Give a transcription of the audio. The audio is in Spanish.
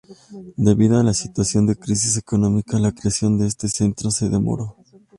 Debido a la situación de crisis económica, la creación de este centro se demoró.